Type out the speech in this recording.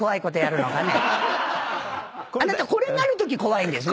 これがあるとき怖いんですね。